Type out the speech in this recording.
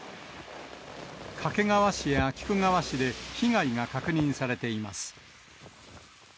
掛川市や菊川市で被害が確認されています。